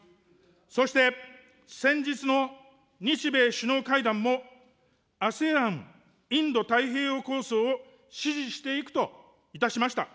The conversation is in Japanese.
そして、先日の日米首脳会談も、ＡＳＥＡＮインド太平洋構想を支持していくといたしました。